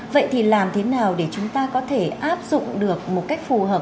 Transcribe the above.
vậy thì làm thế nào để chúng ta có thể áp dụng được một cách phù hợp